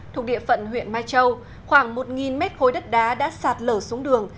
thuộc địa phận huyện mai châu khoảng một mét khối đất đá đã sạt lở xuống đường